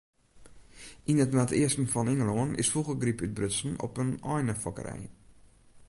Yn it noardeasten fan Ingelân is fûgelgryp útbrutsen op in einefokkerij.